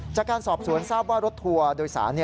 จากการสอบสวนทราบว่ารถทัวร์โดยสาร